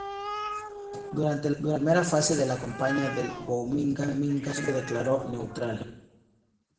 Durante la primera fase de la campaña del Guomindang, Sun se declaró neutral.